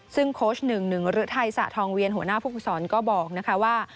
ซึ่งโคช๑๑รื้อไทยสะทองเวียนหัวหน้าภูมิสอนก็บอกว่า